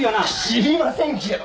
知りませんけど！